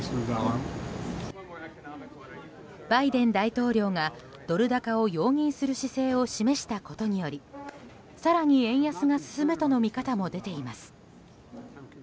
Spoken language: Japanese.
バイデン大統領がドル高を容認する姿勢を示したことによりさらに円安が進むとの見方も出ています。